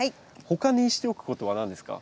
他にしておくことは何ですか？